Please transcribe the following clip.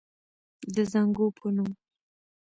د زانګو پۀ نوم